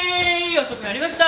遅くなりました！